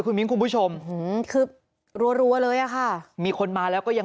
คุณมิ้นคุณผู้ชมคือรัวรัวเลยอ่ะค่ะมีคนมาแล้วก็ยัง